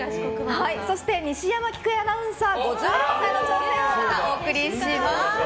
そして、西山喜久恵アナウンサー５４歳の挑戦をお送りします。